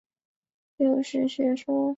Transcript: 佛教各部派共同都有六识的学说。